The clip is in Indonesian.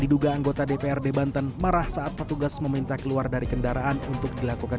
diduga anggota dprd banten marah saat petugas meminta keluar dari kendaraan untuk dilakukan